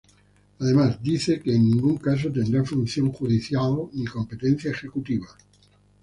Además, dice que "en ningún caso tendrá función judicial ni competencia ejecutiva".